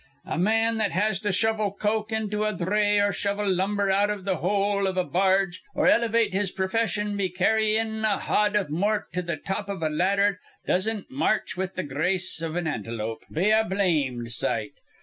A man that has to shovel coke into a dhray or shove lumber out iv th' hole iv a barge or elevate his profession be carryin' a hod iv mort to th' top iv a laddher doesn't march with th' grace iv an antelope, be a blamed sight.